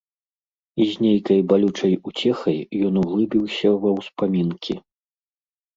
І з нейкай балючай уцехай ён углыбіўся ва ўспамінкі.